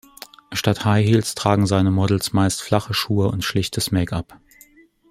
Statt High-Heels tragen seine Models meist flache Schuhe und schlichtes Make-up.